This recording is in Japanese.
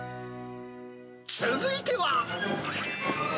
続いては。